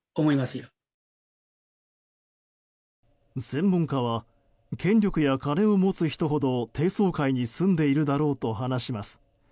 専門家は権力や金を持つ人ほど低層階に住んでいるだろうと話します。